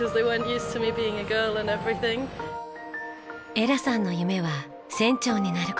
エラさんの夢は船長になる事。